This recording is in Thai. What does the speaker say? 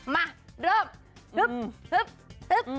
มาเริ่ม